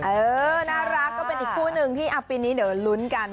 เออน่ารักก็เป็นอีกคู่หนึ่งที่ปีนี้เดี๋ยวลุ้นกัน